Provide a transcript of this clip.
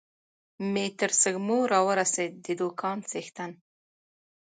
مې تر سږمو را ورسېد، د دوکان څښتن.